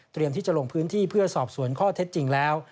ที่จะลงพื้นที่เพื่อสอบสวนข้อเท็จจริงแล้ว